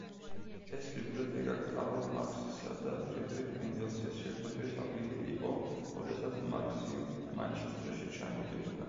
ეს ბიბლიოთეკა კარლ მარქსისა და ფრიდრიხ ენგელსის შეხვედრის ადგილი იყო, როდესაც მარქსი მანჩესტერში ჩამოდიოდა.